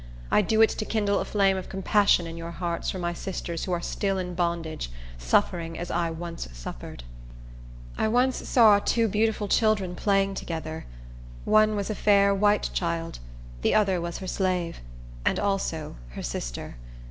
I do it to kindle a flame of compassion in your hearts for my sisters who are still in bondage, suffering as I once suffered. I once saw two beautiful children playing together. One was a fair white child; the other was her slave, and also her sister.